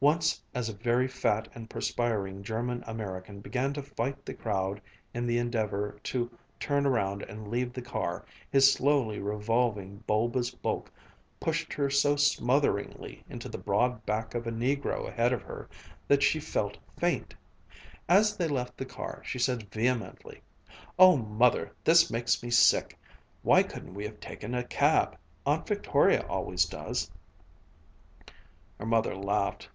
Once as a very fat and perspiring German American began to fight the crowd in the endeavor to turn around and leave the car, his slowly revolving bulbous bulk pushed her so smotheringly into the broad back of a negro ahead of her that she felt faint. As they left the car, she said vehemently: "Oh, Mother, this makes me sick! Why couldn't we have taken a cab? Aunt Victoria always does!" Her mother laughed.